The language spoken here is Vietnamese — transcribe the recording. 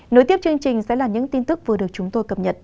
nối tiếp chương trình sẽ là những tin tức vừa được chúng tôi cập nhật